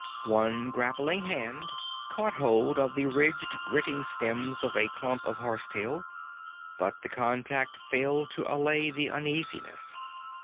One grappling hand caught hold of the ridged, gritting stems of a clump of horsetail, but the contact failed to allay the uneasiness.